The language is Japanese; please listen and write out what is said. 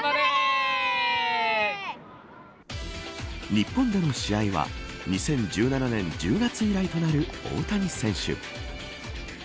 日本での試合は２０１７年１０月以来となる大谷選手。